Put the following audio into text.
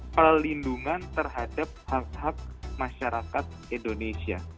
perlindungan terhadap hak hak masyarakat indonesia